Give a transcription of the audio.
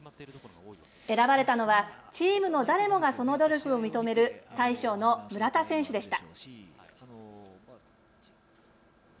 選ばれたのはチームの誰もがその努力を認める大将の村田選手でした。